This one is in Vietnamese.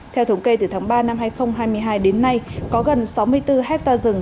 theo thống kê từ tháng ba năm hai nghìn hai mươi hai đến nay có gần sáu mươi bốn hectare rừng